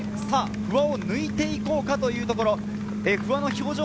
不破を抜いて行こうかというところ。